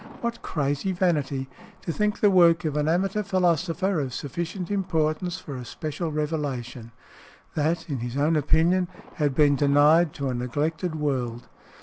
What crazy vanity, to think the work of an amateur philosopher of sufficient importance for a special revelation, that (in his own opinion) had been denied to a neglected world!